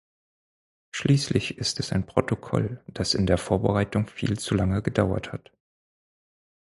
Schließlich ist es ein Protokoll, das in der Vorbereitung viel zu lange gedauert hat.